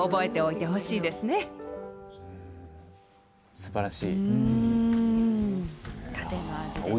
すばらしい。